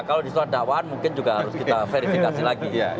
kalau disurat dakwaan mungkin juga harus kita verifikasi